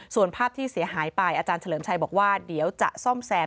ส่วนภาพที่เสียหายไปอาจารย์เฉลิมชัยบอกว่าเดี๋ยวจะซ่อมแซม